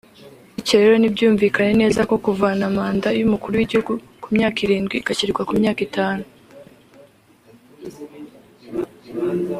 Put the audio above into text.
Bityo rero nibyumvikane neza ko kuvana manda y’umukuru w’igihugu ku myaka irindwi igashyirwa ku myaka itanu